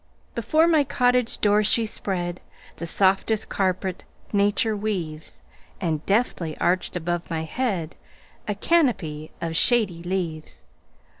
Before my cottage door she spreadThe softest carpet nature weaves, And deftly arched above my headA canopy of shady leaves.